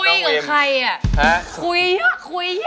ของใครอ่ะคุยเยอะคุยเยอะ